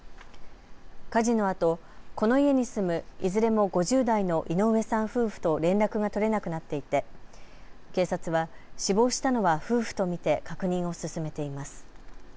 火事のあと、この家に住むいずれも５０代の井上さん夫婦と連絡が取れなくなっていて警察は死亡したのは夫婦と見て確認を進めています。